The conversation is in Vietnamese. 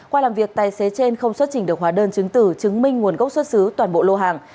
qua làm việc tài xế trên không xuất trình được hóa đơn chứng tử chứng minh nguồn gốc xuất xứ toàn bộ lô hàng